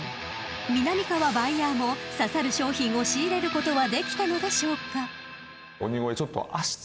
［みなみかわバイヤーも刺さる商品を仕入れることはできたのでしょうか？］